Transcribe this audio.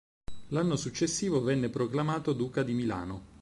L'anno successivo venne proclamato duca di Milano.